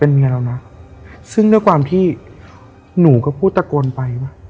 เมียเรานะซึ่งด้วยความที่หนูก็พูดตะโกนไปว่า